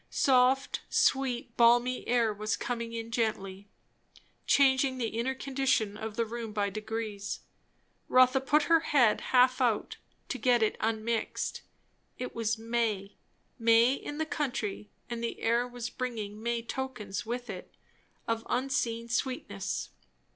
Soft, sweet, balmy air was coming in gently, changing the inner condition of the room by degrees; Rotha put her head half out, to get it unmixed. It was May, May in the country; and the air was bringing May tokens with it, of unseen sweetness.